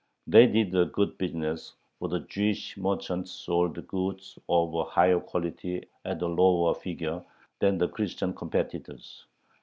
They did a good business, for the Jewish merchants sold goods of a higher quality at a lower figure than their Christian competitors.